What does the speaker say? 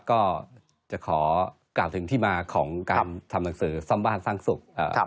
ก็จะขอกล่าวถึงที่มาของการทำหนังสือซ่อมบ้านสร้างสุข